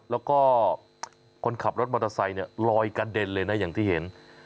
แล้วก็คนขับรถมอเตอร์ไซค์เนี่ยลอยกระเด็นเลยนะอย่างที่เห็น